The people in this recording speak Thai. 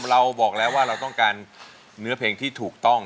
เราบอกแล้วว่าเราต้องการเนื้อเพลงที่ถูกต้อง